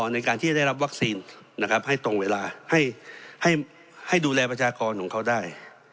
ในการที่จะได้รับวัคซีนนะครับให้ตรงเวลาให้ดูแลประชากรของเขาได้